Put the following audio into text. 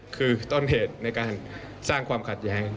คือต้นเหตุในการสร้างความขัดแย้ง